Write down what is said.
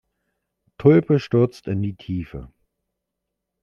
Tulpe stürzt in die Tiefe.